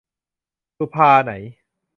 สุภา ไหน